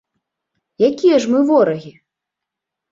Якія ж мы ворагі?